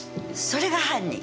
それが犯人！